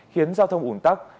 khiến giao thông ủn tắc